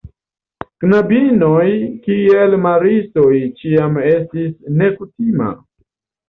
Knabinoj kiel maristoj ĉiam estis nekutima.